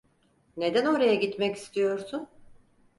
Neden oraya gitmek istiyorsun?